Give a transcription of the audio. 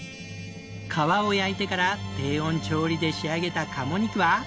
皮を焼いてから低温調理で仕上げた鴨肉は。